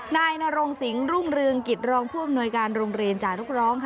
นายนรงสิงรุ่งเรืองกิจรองผู้อำนวยการโรงเรียนจารุกร้อง